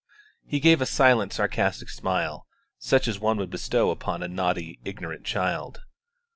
He gave a silent sarcastic smile, such as one would bestow upon a naughty, ignorant child.